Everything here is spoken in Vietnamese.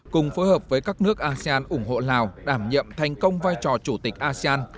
cùng phối hợp với các nước asean ủng hộ lào đảm nhiệm thành công vai trò chủ tịch asean